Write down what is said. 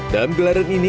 dalam gelaran ini